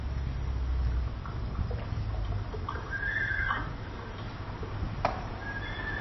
平安保险旗下的平安人寿及西京投资亦有入股金利丰金融。